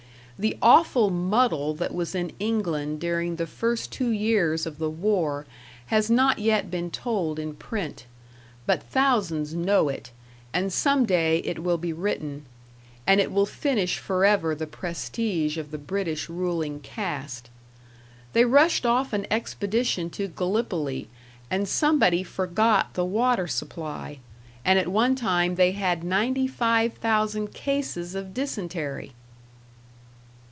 The awful muddle that was in England during the first two years of the war has not yet been told in print; but thousands know it, and some day it will be written, and it will finish forever the prestige of the British ruling caste. They rushed off an expedition to Gallipoli, and somebody forgot the water supply, and at one time they had ninety five thousand cases of dysentery!